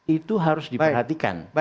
itu harus diperhatikan